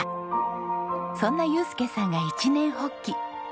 そんな祐介さんが一念発起。